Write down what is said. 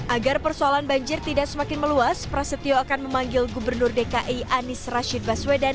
agar persoalan banjir tidak semakin meluas prasetyo akan memanggil gubernur dki anies rashid baswedan